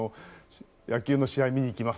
野球の試合を見に行きます